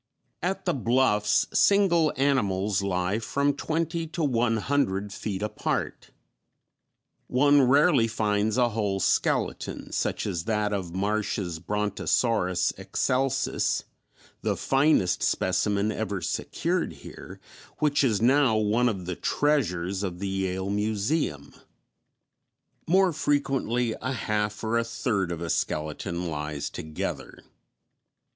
_ At the bluffs single animals lie from twenty to one hundred feet apart; one rarely finds a whole skeleton, such as that of Marsh's Brontosaurus excelsus, the finest specimen ever secured here, which is now one of the treasures of the Yale museum. More frequently a half or a third of a skeleton lies together.